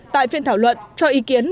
tại phiên thảo luận cho ý kiến